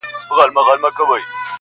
چيري که خوړلی د غلیم پر کور نمګ وي یار,